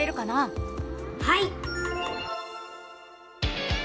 はい！